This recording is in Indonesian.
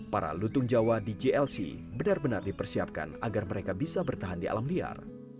para lutung jawa di jlc benar benar dipersiapkan agar mereka bisa bertahan di alam liar